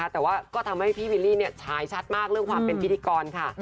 แต่ว่าก็ทำให้พี่วิลลี่ฉายชัดมากเรื่องความเป็นพิธีกรค่ะ